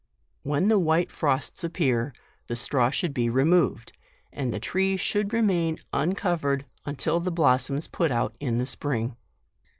When the white frosts appear, the straw should be removed, and the tree should remain uncov ered until the blossoms put out in the spring.